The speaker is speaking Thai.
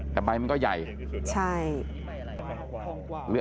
แต่ใบมันก็ใหญ่ใช่